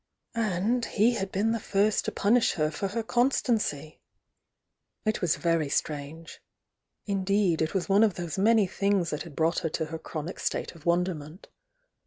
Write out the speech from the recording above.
And he had been the first to punish her for her con stancy! It was very strange. Indeed, it was one of those many things that had brought her to her chronic state of wonderment.